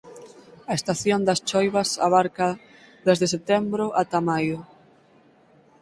A estación das choivas abarca de sde setembro ata maio.